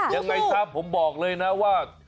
ยังไงซะผมบอกเลยนะว่า